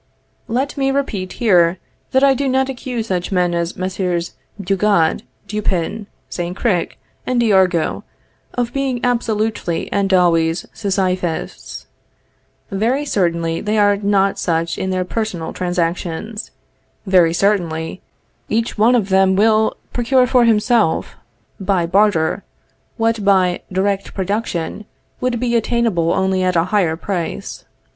Let me repeat here, that I do not accuse such men as Messrs. Bugeaud, Dupin, Saint Cricq, and d'Argout, of being absolutely and always Sisyphists. Very certainly they are not such in their personal transactions; very certainly each one of them will procure for himself by barter, what by direct production would be attainable only at a higher price.